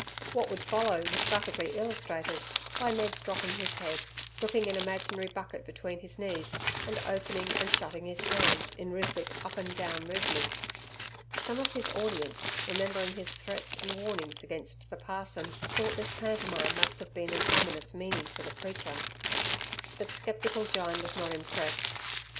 What would follow was graphically illustrated by Ned's dropping his head, gripping an imaginary bucket between his knees, and opening and shutting his hands in rhythmic up and down movements. Some of his audience, remembering his threats and warnings against the parson, thought this pantomime must have an ominous meaning for the preacher. But sceptical Jyne was not impressed.